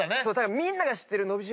みんなが知ってる。